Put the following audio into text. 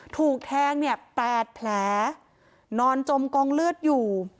ถูกแทงเนี่ย๘แผลนอนจมกองเลือดอยู่